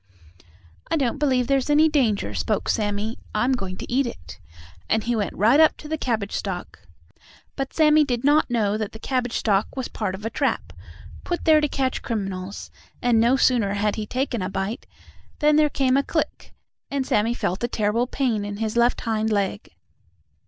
"I don't believe there's any danger," spoke Sammie. "I'm going to eat it," and he went right up to the cabbage stalk. But Sammie did not know that the cabbage stalk was part of a trap, put there to catch animals, and, no sooner had he taken a bite, than there came a click, and Sammie felt a terrible pain in his left hind leg.